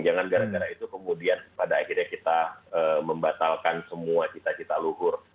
jangan gara gara itu kemudian pada akhirnya kita membatalkan semua cita cita luhur